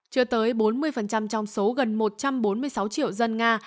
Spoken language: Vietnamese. chưa tới bốn mươi trong số gần một trăm bốn mươi sáu triệu dân nga